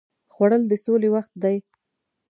خوړل د سولې وخت دی